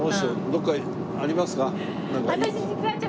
どこかありますか？